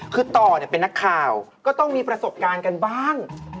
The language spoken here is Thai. คือต่อเป็นนักข่าวก็ต้องมีประสบการณ์กันบ้าง